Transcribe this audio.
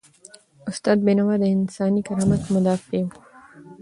استاد بینوا د انساني کرامت مدافع و.